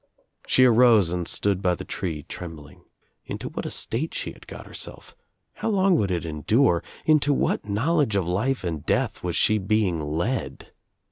She arose and stood by the tree, trembling. Into what a state she had got herself! How long would it endure? Into what knowledge of life and death was she being led?